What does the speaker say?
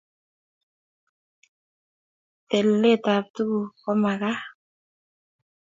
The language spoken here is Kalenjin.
Telelet ab tuguk komakat